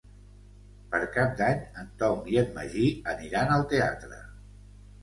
Per Cap d'Any en Tom i en Magí aniran al teatre.